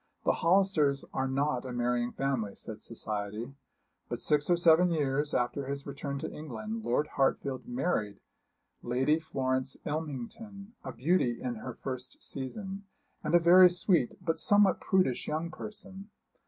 The Hollisters are not a marrying family, said society. But six or seven years after his return to England Lord Hartfield married Lady Florence Ilmington, a beauty in her first season, and a very sweet but somewhat prudish young person.